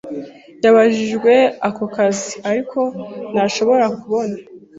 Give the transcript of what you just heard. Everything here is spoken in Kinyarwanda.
Yabajijwe ako kazi, ariko ntashobora kubona.